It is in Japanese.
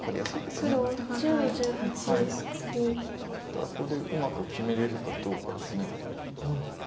ただここでうまく決めれるかどうかです。